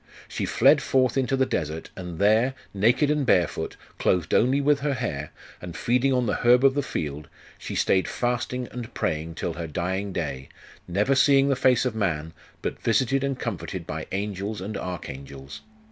She fled forth into the desert, and there, naked and barefoot, clothed only with her hair, and feeding on the herb of the field, she stayed fasting and praying till her dying day, never seeing the face of man, but visited and comforted by angels and archangels.